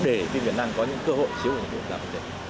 để phim việt nam có những cơ hội chiếu của những cụm giảm